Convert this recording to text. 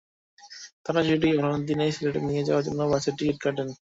তাঁরা শিশুটিকে ঘটনার দিনই সিলেটে নিয়ে যাওয়ার জন্য বাসের টিকিট কাটেন।